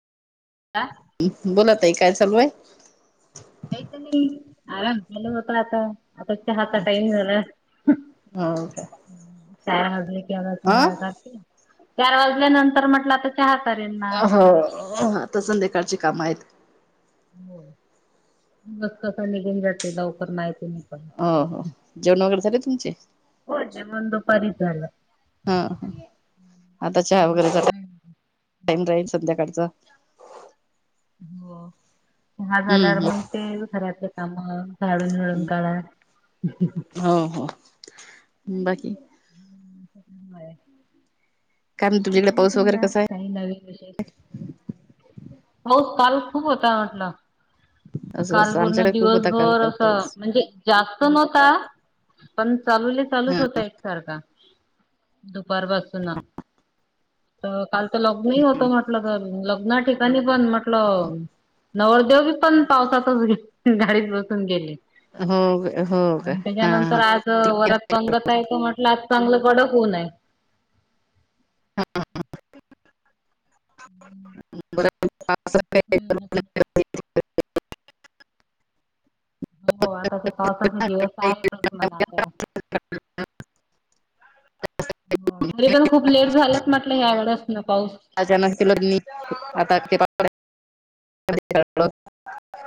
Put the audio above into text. या. बोला ताई काय चालूये? काहीच नाही आराम [unintelligible] होत आता आता चहाचा टाईम झाला हम्म. हो का चार वाजले की आम्हाला हा. चहा लागते, चार वाजल्यानंतर म्हटलं आता चहा करेन ना. अह हो त आता संध्याकाळची काम आहेत. हो मस्तसा निघेन जातते लवकर नाही तु् हो हो जेवण वगैरे झाले तुमचे [inaudible] कोडे म्हण परीितला [unintelligible] हा ह आता चहा सर्व वगैरेचा काम टाईम राडाई संध्याकाळचा हो हा झाल्यावर हम्म हम्म मग ते घरातलं कामं झाडून बिडू काढा. [unintelligible] हो हो बाकी. [unintelligible] काय म्हण बाकी तुमच्याकडे तुम्ही पाऊस वगैरे सांगा कसा आहे? काही नवीन विशे. हो काल खूप होता म्हटलं. असं काल असं पूर्ण आमच्याकडे खूप होता काल दिवसभर काल असं पाऊस. म्हणजे जास्त नव्हता पण चालूले चालूच हा होतय का दुपारपासून. तर काल तर लग्नही होत म्हटलं तर लग्ना ठिकाणी पण म्ह लं नवदेव पण पावसातच गाडीत बसून गेले हो हो का आणि हा त्याच्यानंतर हा. आज वरात पंगत आहे तो म्ह लात चांगलं कडक होऊनय [inaudible] [unintelligible] हांांां [unintelligible] हो आता ते पावसाचे दिवस आहेच मलाता तरी पण खूप लेट झालंत म्हटलं ह आडच ना पाऊस आ जन केलो न आता ते